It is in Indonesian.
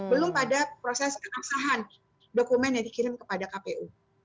belum ada proses keaksahan dokumen yang dikirim kepada kpu